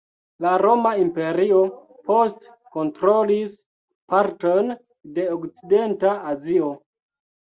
La Roma Imperio poste kontrolis partojn de Okcidenta Azio.